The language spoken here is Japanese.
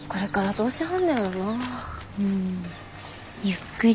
うん。